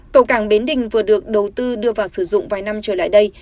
cầu cảng bến đình vừa được đầu tư đưa vào sử dụng vài năm trở lại đây